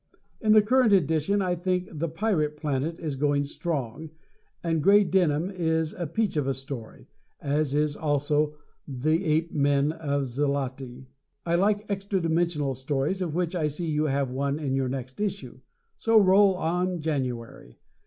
In the current edition I think "The Pirate Planet" is going strong; and "Gray Denim" is a peach of a story, as is also "The Ape Men of Xloti." I like extra dimensional stories of which I see you have one in your next issue, so roll on, January!